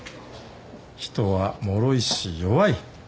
人はもろいし弱い。